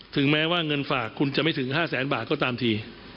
ถึงแม้ว่าเงินฝากคุณจะไม่ถึง๕แสนบาทก็ตามที